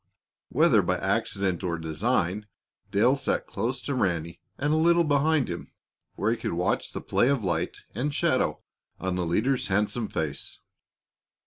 Whether by accident or design, Dale sat close to Ranny and a little behind him, where he could watch the play of light and shadow on the leader's handsome face.